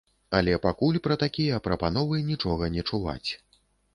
Але пакуль пра такія прапановы нічога не чуваць.